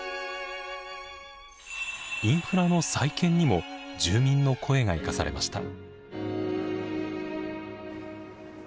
インフラの再建にも住民の声が生かされました。